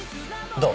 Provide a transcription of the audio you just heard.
どう？